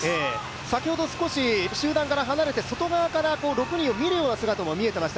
先ほど少し集団から離れて、外側から６人を見るような姿も見えました